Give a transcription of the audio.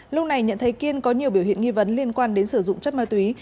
lúc này nhận thấy kiên có nhiều biểu hiện nghi vấn liên quan đến sử dụng chất ma túy